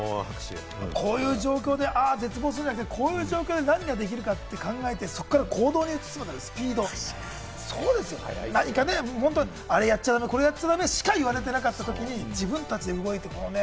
こういう状況で絶望するじゃなくて、こういう状況で何ができるかって考えて、そこから行動に移すまでのスピード、あれやっちゃダメ、これやっちゃダメしか言われてなかったときに、自分たちで動いてね。